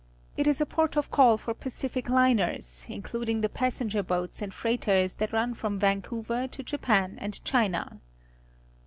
It is a port of call for Pacific hners, including the passen ger boats and freighters that run from Van couver to Japan and China.